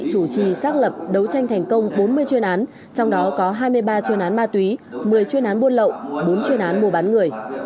chủ trì xác lập đấu tranh thành công bốn mươi chuyên án trong đó có hai mươi ba chuyên án ma túy một mươi chuyên án buôn lậu bốn chuyên án mua bán người